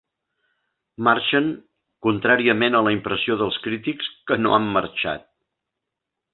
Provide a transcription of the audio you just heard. Marxen, contràriament a la impressió dels crítics que no han marxat.